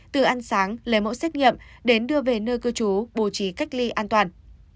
từ ăn sáng lấy mẫu xét nghiệm đến đưa về nơi cư trú bổ trí cách ly an toàn